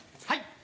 はい。